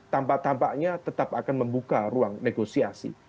tampak tampaknya tetap akan membuka ruang negosiasi